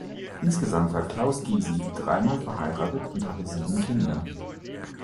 Insgesamt war Klaus Gysi dreimal verheiratet und hatte sieben Kinder.